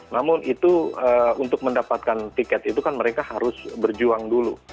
namun untuk mendapatkan tiket itu mereka harus berjuang dulu